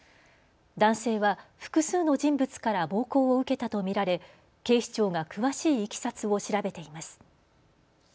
男性は複数の人物から暴行を受けたと見られ警視庁が詳しいいきさつを調べています。